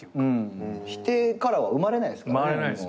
否定からは生まれないですからね。